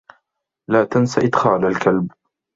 لا تنس إدخال الكلب.